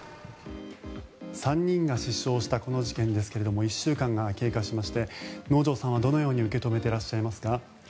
３人が死傷したこの事件ですが１週間が経過しまして能條さんはどのように受け止めてらっしゃいますか？